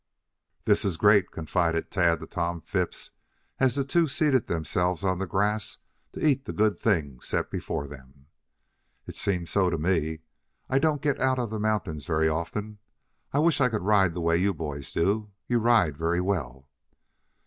"This is great," confided Tad to Tom Phipps, as the two seated themselves on the grass to eat the good things set before them. "It seems so to me. I don't get out of the mountains very often. I wish I could ride the way you boys do. You ride very well."